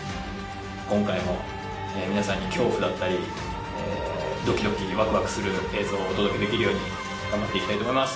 今回も皆さんに恐怖だったりドキドキワクワクする映像をお届けできるように頑張って行きたいと思います。